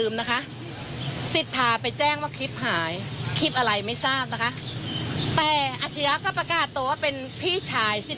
มีความว่ายังไงมันหมายความว่ายังไง